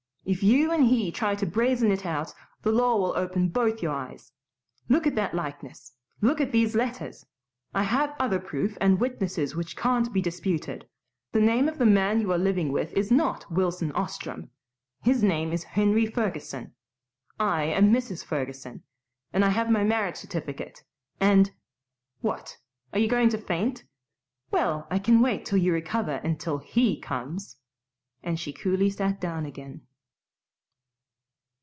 If you and he try to brazen it out, the law will open both your eyes. Look at that likeness, look at these letters; and I have other proof and witnesses which can't be disputed. The name of the man you are living with is not Wilson Ostrom. His name is Henry Ferguson. I am Mrs. Ferguson, and I have my marriage certificate, and What! Are you going to faint? Well, I can wait till you recover and till HE comes," and she coolly sat down again.